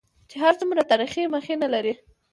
چې څومره تاريخي مخينه لري.